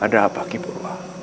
ada apa ki purwa